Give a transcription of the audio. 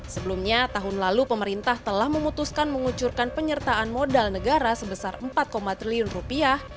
sebelumnya tahun lalu pemerintah telah memutuskan mengucurkan penyertaan modal negara sebesar empat triliun rupiah